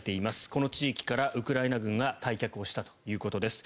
この地域からウクライナ軍が退却をしたということです。